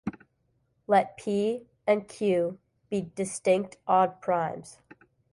Let "p" and "q" be distinct odd primes.